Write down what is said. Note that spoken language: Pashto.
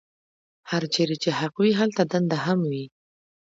هرچېرې چې حق وي هلته دنده هم وي.